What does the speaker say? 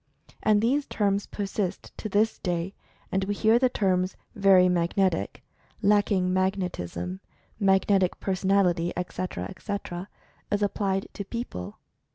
And these terms persist to this day, and we hear the terms "very magnetic" ; "lacking magnet ism"; "magnetic personality," etc., etc., as applied to people.